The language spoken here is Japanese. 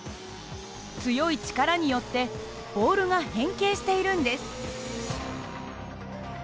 強い力によってボールが変形しているんです。